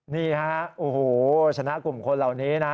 นี่ฮะโอ้โหชนะกลุ่มคนเหล่านี้นะ